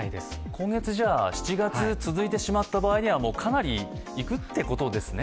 今月、７月続いてしまった場合には、かなりいくってことですね？